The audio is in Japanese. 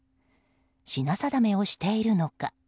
品定めをしているのか。